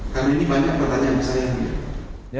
karena ini banyak pertanyaan saya